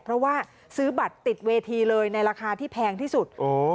เพราะว่าซื้อบัตรติดเวทีเลยในราคาที่แพงที่สุด